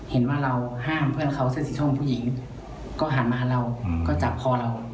เห็นว่าเราห้ามเพื่อนเขาเสื้อสีส้มผู้หญิงก็หันมาเราก็จับคอเรา